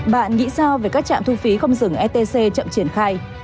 bạn nghĩ sao về các trạm thu phí không dừng etc chậm triển khai